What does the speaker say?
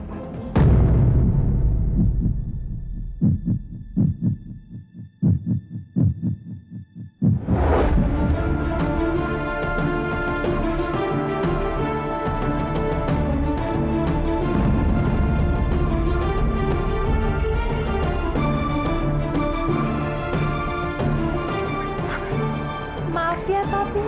pertama syah suntik